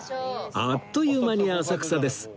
あっという間に浅草です